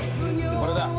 これだ。